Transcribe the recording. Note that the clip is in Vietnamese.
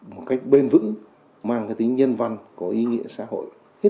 một cách bền vững mang cái tính nhân văn có ý nghĩa xã hội